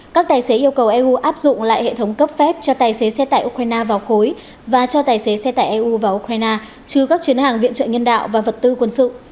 các tài xế yêu cầu eu áp dụng lại hệ thống cấp phép cho tài xế xe tải ukraine vào cuộc